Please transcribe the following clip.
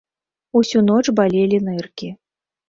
Усю ноч балелі ныркі.